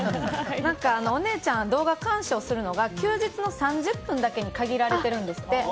お姉ちゃんは動画鑑賞するのが休日の３０分だけに限られてるんですって。